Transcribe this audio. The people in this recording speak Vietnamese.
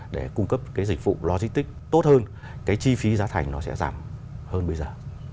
để cung cấp dịch vụ logistics tốt hơn chi phí giá thành sẽ giảm hơn bây giờ